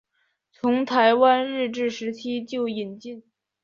从台湾日治时期就引进。